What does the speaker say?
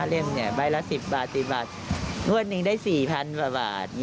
๕เล่มเนี่ยใบละ๑๐บาทบาทนวดหนึ่งได้๔๐๐๐บาท